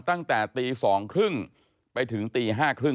ตั้งแต่ตี๒๓๐ไปถึงตี๕๓๐